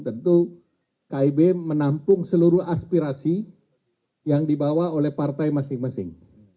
tentu kib menampung seluruh aspirasi yang dibawa oleh partai masing masing